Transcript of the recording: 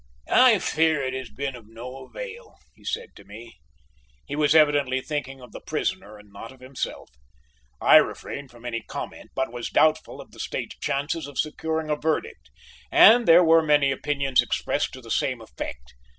"I fear it has been of no avail," he said to me. He was evidently thinking of the prisoner and not of himself. I refrained from any comment, but was doubtful of the State's chances of securing a verdict, and there were many opinions expressed to the same effect.